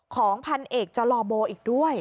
ของพันเอกจลอโบอีกด้วย